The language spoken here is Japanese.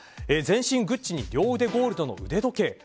全身グッチに両腕ゴールドの腕時計。